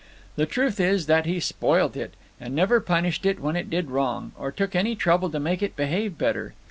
The truth is that he spoilt it, and never punished it when it did wrong, or took any trouble to make it behave better.